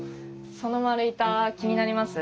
その丸板気になります？